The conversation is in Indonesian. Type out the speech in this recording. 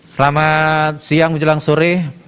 selamat siang menjelang sore